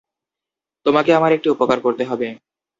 তোমাকে আমার একটি উপকার করতে হবে।